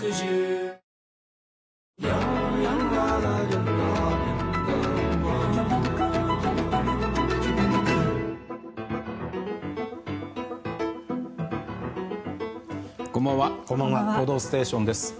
「報道ステーション」です。